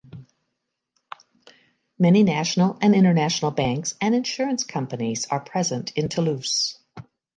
Many national and international banks and insurance companies are present in Toulouse.